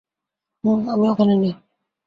হুম, আমি ওখানে নেই।